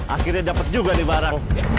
akhirnya dapat juga nih barang